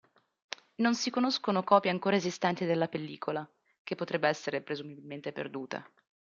Non si conoscono copie ancora esistenti della pellicola che potrebbe essere presumibilmente perduta.